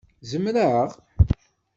Zemreɣ?